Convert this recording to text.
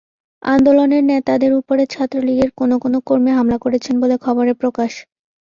আন্দোলনের নেতাদের ওপরে ছাত্রলীগের কোনো কোনো কর্মী হামলা করেছেন বলে খবরে প্রকাশ।